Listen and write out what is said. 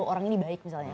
orang ini baik misalnya